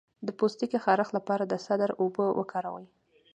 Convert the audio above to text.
د پوستکي خارښ لپاره د سدر اوبه وکاروئ